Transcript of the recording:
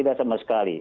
tidak tidak sama sekali